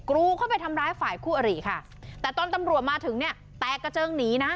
กรูเข้าไปทำร้ายฝ่ายคู่อริค่ะแต่ตอนตำรวจมาถึงเนี่ยแตกกระเจิงหนีนะ